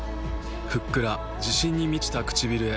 ふっくら自信に満ちた唇へ。